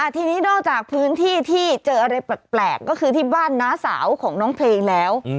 ทีนี้นอกจากพื้นที่ที่เจออะไรแปลกก็คือที่บ้านน้าสาวของน้องเพลงแล้ว